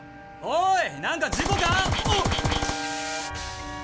おいなんか事故か？